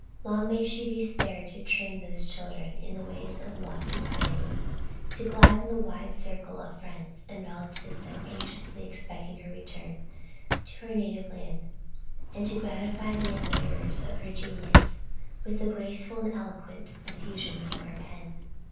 Long may she be spared to train those children in the ways of lofty piety, to gladden the wide circle of friends and relatives now anxiously expecting her return to her native land, and to gratify the admirers of her genius with the graceful and eloquent effusions of her pen.